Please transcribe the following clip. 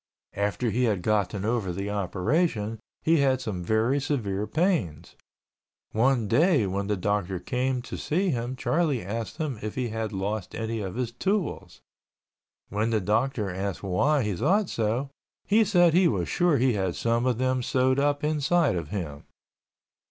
After he had gotten over the operation, he had some very severe pains. One day when the doctor came to see him Charlie asked him if he had lost any of his tools. When the doctor asked why he thought so, he said he was sure he had some of them sewed up inside of him.